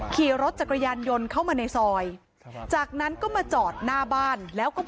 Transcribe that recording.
ขี่รถจากกระยันยนต์เข้ามาในซอย